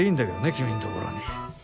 君んところに。